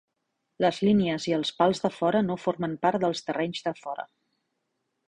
Les línies i els pals de fora no formen part del terrenys de fora.